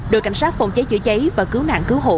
đội cảnh sát phòng cháy chữa cháy và cứu nạn cứu hộ